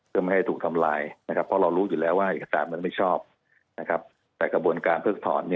เพื่อไม่ให้ถูกทำลายเพราะรู้ที่เราไม่ชอบแต่กระบวนการเพิ่งถอน